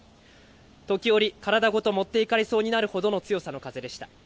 時折、体ごと持っていかれそうになるほどの強さの風でした。